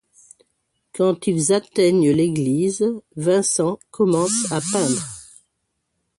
Quand ils atteignent l'église, Vincent commence à peindre.